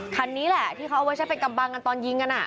คันนี้แหละที่เขาเอาไว้ใช้เป็นกำบังกันตอนยิงกัน